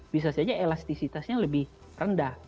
bisa saja elastisitasnya lebih rendah